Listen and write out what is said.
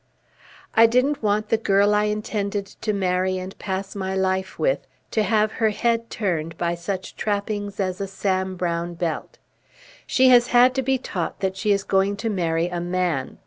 "I didn't want the girl I intended to marry and pass my life with to have her head turned by such trappings as a Sam Browne belt. She has had to be taught that she is going to marry a man.